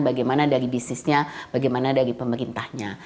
bagaimana dari bisnisnya bagaimana dari pemerintahnya